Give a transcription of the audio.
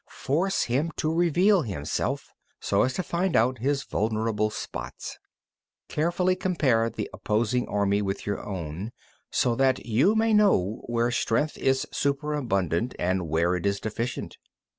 Force him to reveal himself, so as to find out his vulnerable spots. 24. Carefully compare the opposing army with your own, so that you may know where strength is superabundant and where it is deficient.